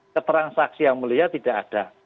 keterang saksi yang melihat tidak ada